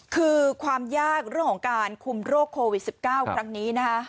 คือความยากเรื่องของการคุมโรคโควิด๑๙ครั้งนี้นะคะ